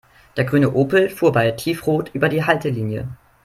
Der grüne Opel fuhr bei Tiefrot über die Haltelinie.